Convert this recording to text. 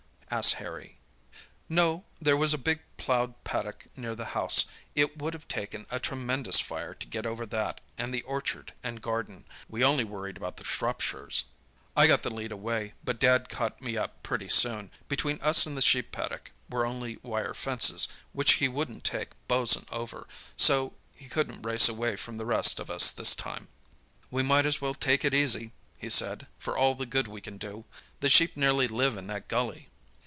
asked Harry. "No. There was a big ploughed paddock near the house; it would have taken a tremendous fire to get over that and the orchard and garden. We only worried about the Shropshires. "I got the lead away, but Dad caught me up pretty soon. Between us and the sheep paddock there were only wire fences, which he wouldn't take Bosun over, so he couldn't race away from the rest of us this time. "We might as well take it easy,' he said, 'for all the good we can do. The sheep nearly live in that gully.